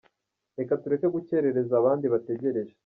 reka tureke gukerereza abandi bategereje !".